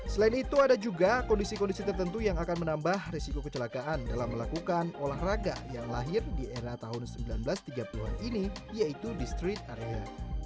selain itu ada juga kondisi kondisi tertentu yang akan menambah risiko kecelakaan dalam melakukan olahraga yang lahir di era tahun seribu sembilan ratus tiga puluh an ini yaitu di street area